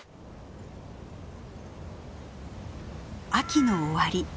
秋の終わり。